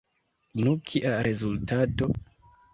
Nu, kia rezultato?